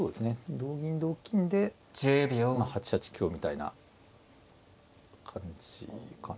同銀同金でまあ８八香みたいな感じかな。